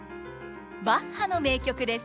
バッハの名曲です。